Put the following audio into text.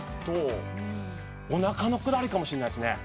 お腹のくだりかもしれないですね。